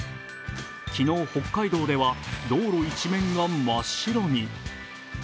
昨日、北海道では道路一面が真っ白に。